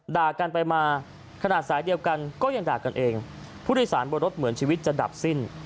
ด่ากันไปมาขนาดสายเดียวกันก็ยังด่ากันเองผู้โดยสารบนรถเหมือนชีวิตจะดับสิ้น